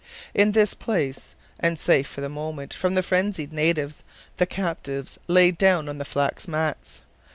In this place, and safe for the moment from the frenzied natives, the captives lay down on the flax mats.